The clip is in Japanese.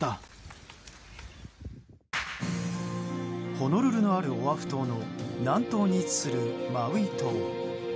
ホノルルのあるオアフ島の南東に位置するマウイ島。